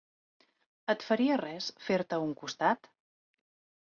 Et faria res fer-te a un costat?